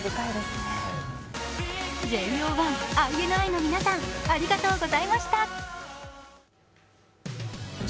ＪＯ１、ＩＮＩの皆さん、ありがとうございました。